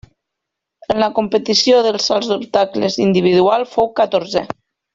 En la competició dels salts d'obstacles individual fou catorzè.